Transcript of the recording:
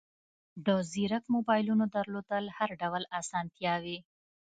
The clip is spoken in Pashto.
د زیرک موبایلونو درلودل هر ډول اسانتیاوې